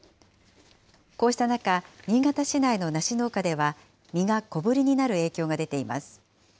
こうした中、新潟市内のナシ農家では、実が小ぶりになる影響が出ています。